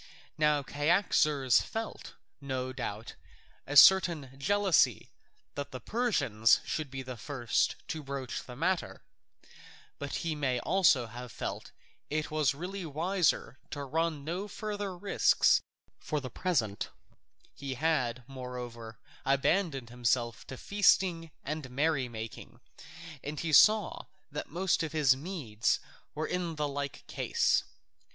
Now Cyaxares felt, no doubt, a certain jealousy that the Persians should be the first to broach the matter, but he may also have felt that it was really wiser to run no further risks for the present; he had, moreover, abandoned himself to feasting and merrymaking, and he saw that most of his Medes were in like case.